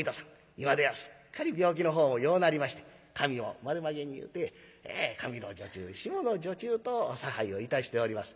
今ではすっかり病気のほうも良うなりまして髪を丸まげに結うて上の女中下の女中と差配をいたしております。